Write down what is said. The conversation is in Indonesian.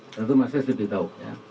tentu masris lebih tahu